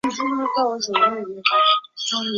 隆东十五暝是一种印尼土生华人传统料理。